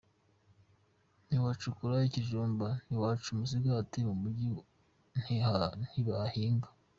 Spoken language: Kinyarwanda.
Ntiwacukura ikijumba, ntiwaca umusigati, mu mujyi ntibahinga.